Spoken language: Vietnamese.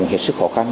hiệt sức khó khăn